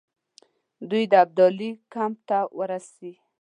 دوی د ابدالي کمپ ته ورسي.